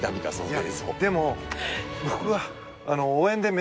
いやでも僕が。